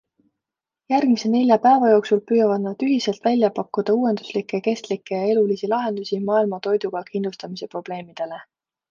Järgmise nelja päeva jooksul püüavad nad ühiselt välja pakkuda uuenduslikke, kestlikke ja elulisi lahendusi maailma toiduga kindlustamise probleemidele.